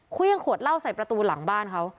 เครื่องขวดเหล้าใส่ประตูหลังบ้านเขา